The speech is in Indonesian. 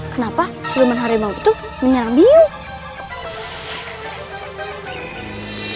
kenapa siluman harimau itu menyerang biung